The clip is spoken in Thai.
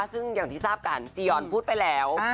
ซึ่งอย่างที่ทราบกันจียอนพุทธไปแล้ว